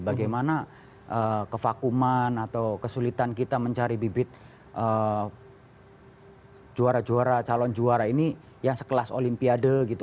bagaimana kevakuman atau kesulitan kita mencari bibit juara juara calon juara ini yang sekelas olimpiade gitu